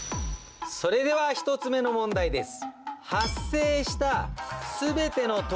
それでは１つ目の問題です。